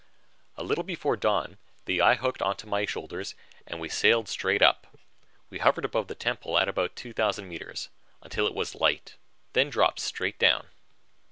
A little before dawn, the eye hooked onto my shoulders and we sailed straight up. We hovered above the temple at about 2,000 meters, until it was light, then dropped straight down.